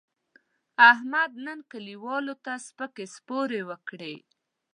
احمد نن کلیوالو ته سپکې سپورې وکړې.